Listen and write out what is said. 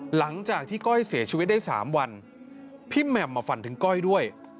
หลังจากที่ก้อยเสียชีวิตได้๓วันพี่แหม่มมาฝันถึงก้อยด้วย